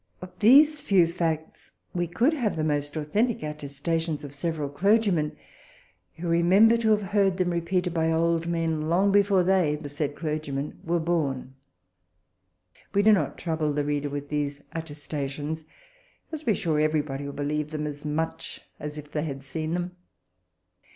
Of these few facts we could have the most authentic attestations of several clergymen, who remember to have heard them repeated by old men long before they, the said clergymen, were born. We do not trouble the reader with these attestations, as we are sure every body will believe them as much as if they had seen them.